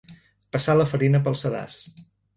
Passar la farina pel sedàs.